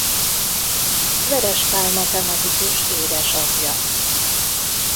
Veress Pál matematikus édesapja.